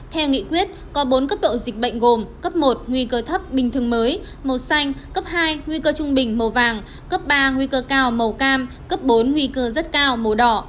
theo nghị quyết có bốn cấp độ dịch bệnh gồm cấp một nguy cơ thấp bình thường mới màu xanh cấp hai nguy cơ trung bình màu vàng cấp ba nguy cơ cao màu cam cấp bốn nguy cơ rất cao màu đỏ